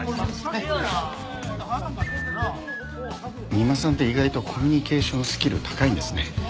三馬さんって意外とコミュニケーションスキル高いんですね。